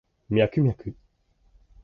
ミャクミャク